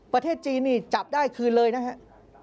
ประเทศจีนนี่จับได้คืนเลยนะครับ